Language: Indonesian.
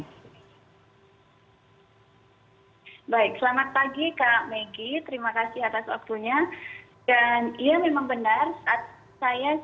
baik selamat pagi kak maggie terima kasih atas waktunya